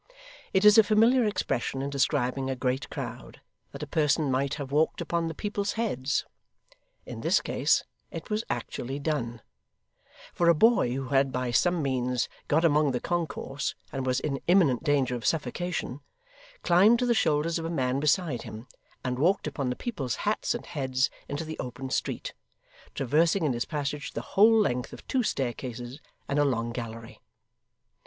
It is a familiar expression in describing a great crowd, that a person might have walked upon the people's heads. In this case it was actually done; for a boy who had by some means got among the concourse, and was in imminent danger of suffocation, climbed to the shoulders of a man beside him and walked upon the people's hats and heads into the open street; traversing in his passage the whole length of two staircases and a long gallery.